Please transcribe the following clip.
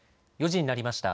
４時になりました。